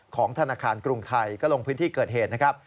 ของธนาคารกรุงไทยก็ลงพื้นที่เกิดเหตุนะครับ